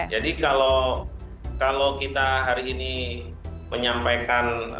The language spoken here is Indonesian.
jadi kalau kita hari ini menyampaikan